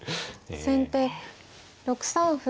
先手６三歩。